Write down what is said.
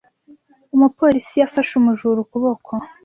Umupolisi yafashe umujura ukuboko.